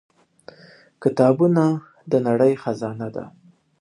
• کتابونه د نړۍ خزانه ده.